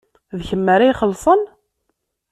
D kemm ara ixellṣen?